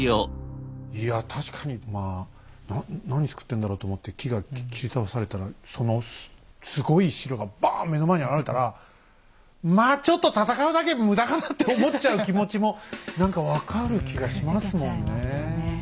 いや確かにまあ何つくってんだろうと思って木が切り倒されたらそのすごい城がバーン目の前に現れたらまあちょっと戦うだけむだかなって思っちゃう気持ちも何か分かる気がしますもんね。